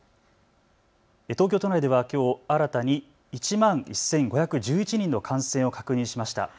東京都内ではきょう新たに１万１５１１人の感染を確認しました。